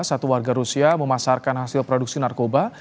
satu warga rusia memasarkan hasil produksi narkoba